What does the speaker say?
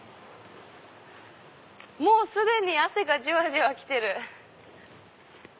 もう既に汗がじわじわきてる。